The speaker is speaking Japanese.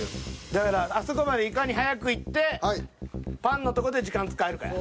だからあそこまでいかに早く行ってパンのとこで時間使えるかや。